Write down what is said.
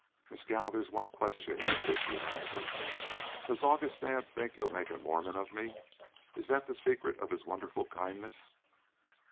"Mescal, there's one question I wish you'd answer. Does August Naab think he'll make a Mormon of me? Is that the secret of his wonderful kindness?"